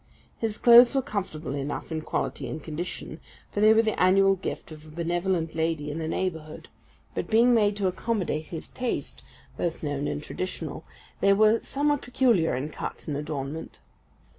His clothes were comfortable enough in quality and condition, for they were the annual gift of a benevolent lady in the neighbourhood; but, being made to accommodate his taste, both known and traditional, they were somewhat peculiar in cut and adornment.